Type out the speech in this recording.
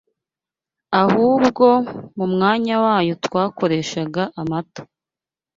ahubwo mu mwanya wayo twakoreshaga amata